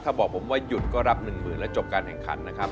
ถ้าบอกผมว่าหยุดก็รับ๑๐๐๐แล้วจบการแข่งขันนะครับ